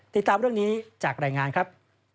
ติดตามเรื่องนี้จากรายงานครับ